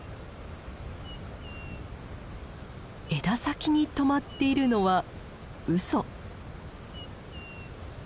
枝先に止まっているのはウソ。